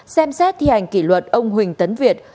ba xem xét thi hành kỷ luật ông huỳnh tấn việt